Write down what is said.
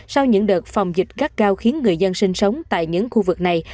sau những đợt phòng dịch gắt cao khiến người dân sinh sống tại những khu vực này